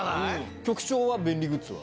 局長は便利グッズは？